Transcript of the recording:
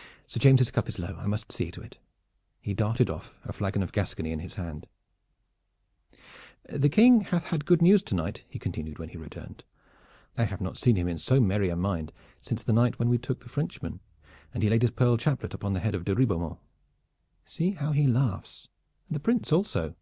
Ha, Sir James' cup is low! I must see to it!" He darted off, a flagon of Gascony in his hand. "The King hath had good news to night," he continued when he returned. "I have not seen him in so merry a mind since the night when we took the Frenchmen and he laid his pearl chaplet upon the head of de Ribeaumont. See how he laughs, and the Prince also.